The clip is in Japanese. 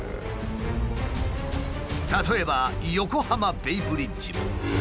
例えば横浜ベイブリッジも。